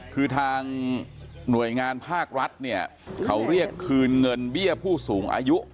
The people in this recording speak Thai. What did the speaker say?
คือทางหน่วยงานภาครัฐเนี่ยเขาเรียกคืนเงินเบี้ยผู้สูงอายุ